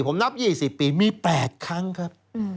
ผมนับ๒๐ปีมี๘ครั้งครับ